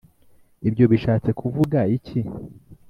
Ibyo bishatse kuvuga iki?